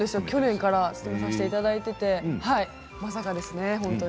去年からさせていただいていてまさかですね